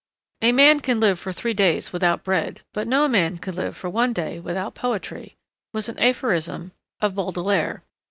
A man can live for three days without bread, but no man can live for one day without poetry, was an aphorism of Baudelaire.